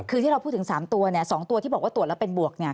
คือที่เราพูดถึงสามตัวเนี่ยสองตัวที่บอกว่าตัวละเป็นบวกเนี่ย